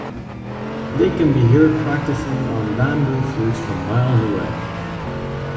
They can be heard practicing on bamboo flutes from miles away.